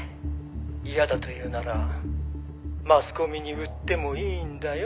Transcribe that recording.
「嫌だというならマスコミに売ってもいいんだよ？